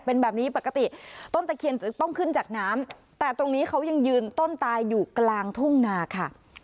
เป็นแบบนี้ปกติต้นตะเคียนจะต้องขึ้นจากน้ำแต่ตรงนี้เขายังยืนต้นตายอยู่กลางทุ่งนาค่ะ